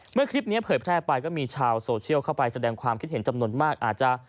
คลิปนี้เผยแพร่ไปก็มีชาวโซเชียลเข้าไปแสดงความคิดเห็นจำนวนมากอาจจะ